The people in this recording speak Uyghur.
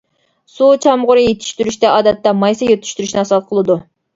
سۇ چامغۇرى يېتىشتۈرۈشتە ئادەتتە مايسا يېتىشتۈرۈشنى ئاساس قىلىدۇ.